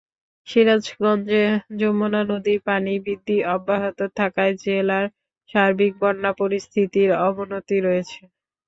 সিরাজগঞ্জে যমুনা নদীর পানি বৃদ্ধি অব্যাহত থাকায় জেলার সার্বিক বন্যা পরিস্থিতির অবনতি রয়েছে।